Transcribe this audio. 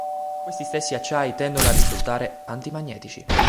Questi stessi acciai tendono a risultare anti-magnetici.